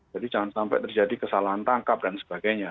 jadi jangan sampai terjadi kesalahan tangkap dan sebagainya